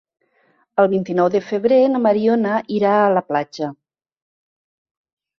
El vint-i-nou de febrer na Mariona irà a la platja.